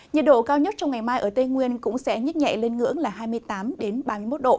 nhiệt độ cao nhất trong ngày mai ở tây nguyên cũng sẽ nhích nhẹ lên ngưỡng là hai mươi tám ba mươi một độ